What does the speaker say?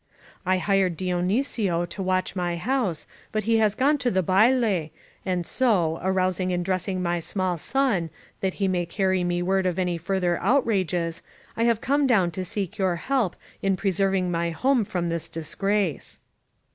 I hired Dionysio to watch my house, but he has gone to the baile^ and so, arousing and dressing my small son, that he may carry me word of any further outrages, I have come down to seek your help in pre serving my home from this disgrace."